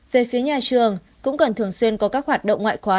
về phía nhà trường cũng cần thường xuyên có các hoạt động ngoại khóa